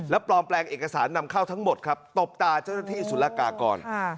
ปลอมแปลงเอกสารนำเข้าทั้งหมดครับตบตาเจ้าหน้าที่สุรกากร